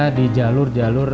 berada di jalur jalurnya